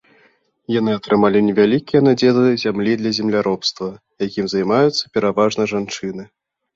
Яны атрымалі невялікія надзелы зямлі для земляробства, якім займаюцца пераважна жанчыны.